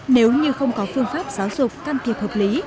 nếu như không có phương pháp giáo dục can thiệp hợp lý